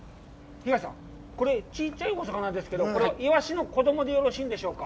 東さん、これ、小ちゃいお魚ですけど、これはイワシの子供でよろしいんでしょうか。